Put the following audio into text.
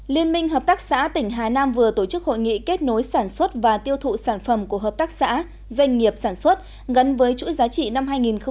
liên minh hợp tác xã tỉnh hà nam vừa tổ chức hội nghị kết nối sản xuất và tiêu thụ sản phẩm của hợp tác xã doanh nghiệp sản xuất gắn với chuỗi giá trị năm hai nghìn một mươi chín